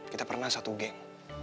kita pernah satu geng